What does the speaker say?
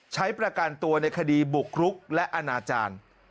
ใช้ประกันตัวในคดีบุกรุกและอนาจารย์